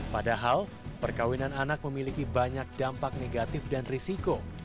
padahal perkawinan anak memiliki banyak dampak negatif dan risiko